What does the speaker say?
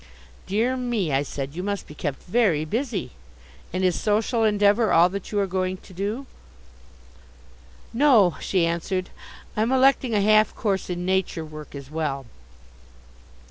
"Dear me," I said, "you must be kept very busy. And is Social Endeavour all that you are going to do?" "No," she answered, "I'm electing a half course in Nature Work as well."